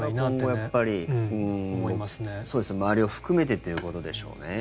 それは今後、周りを含めてということでしょうね。